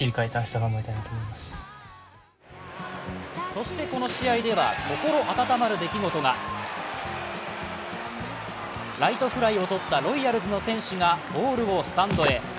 そしてこの試合では心温まる出来事がライトフライをとったロイヤルズの選手がボールをスタンドへ。